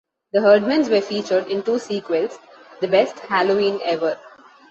The Herdmans were featured in two sequels, The Best Halloween Ever!